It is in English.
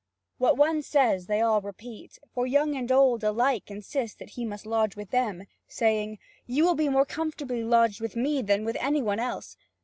What one says they all repeat, for young and old alike insist that he must lodge with them, saying: "You will be more comfortably lodged with me than with any one else."